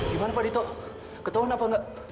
gimana pak dito ketahuan apa enggak